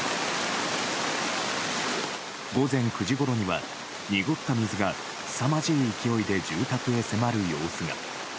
午前９時ごろには濁った水がすさまじい勢いで住宅へ迫る様子が。